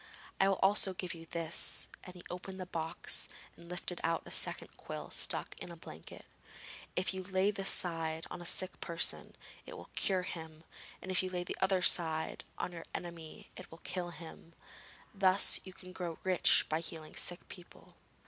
I will also give you this,' and he opened a box and lifted out a second quill stuck in a blanket. 'If you lay this side on a sick person, it will cure him; and if you lay the other side on your enemy, it will kill him. Thus you can grow rich by healing sick people.'